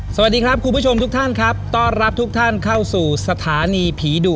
สวัสดีครับคุณผู้ชมทุกท่านครับต้อนรับทุกท่านเข้าสู่สถานีผีดุ